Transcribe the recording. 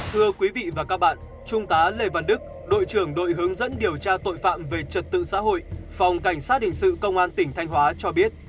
thưa quý vị và các bạn trung tá lê văn đức đội trưởng đội hướng dẫn điều tra tội phạm về trật tự xã hội phòng cảnh sát hình sự công an tỉnh thanh hóa cho biết